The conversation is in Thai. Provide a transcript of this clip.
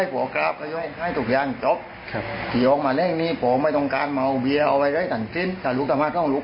พ่อบอกว่าทางน้องยึดคุณพ่ออย่างเดี๋ยวเท่านั้นว่าคนละเรื่องเลย